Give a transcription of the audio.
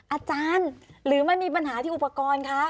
อาจารย์หรือมันมีปัญหาที่อุปกรณ์คะ